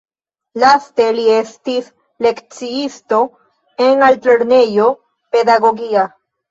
Laste li estis lekciisto en altlernejo pedagogia.